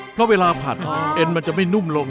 เพราะเวลาผัดเอ็นมันจะไม่นุ่มลง